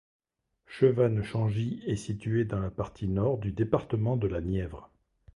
Chevannes-Changy est situé dans la partie nord du département de la Nièvre.